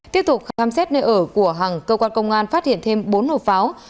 tiếp tục khám xét nơi ở của hằng cơ quan công an phát hiện thêm bốn hộp pháo